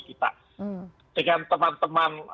kita dengan teman teman